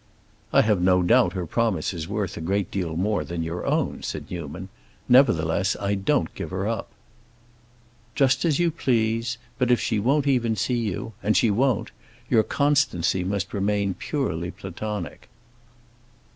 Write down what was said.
"I have no doubt her promise is worth a great deal more than your own," said Newman; "nevertheless I don't give her up." "Just as you please! But if she won't even see you,—and she won't,—your constancy must remain purely Platonic."